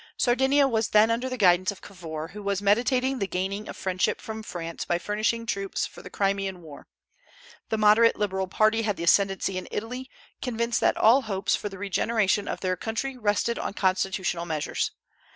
Sardinia was then under the guidance of Cavour, who was meditating the gaining of friendship from France by furnishing troops for the Crimean war. The moderate Liberal party had the ascendency in Italy, convinced that all hopes for the regeneration of their country rested on constitutional measures.